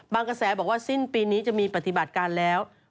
กระแสบอกว่าสิ้นปีนี้จะมีปฏิบัติการแล้ว